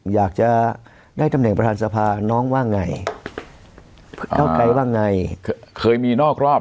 อยากจะได้ตำแหน่งประธานสภาน้องว่าไงเก้าไกลว่าไงเคยมีนอกรอบ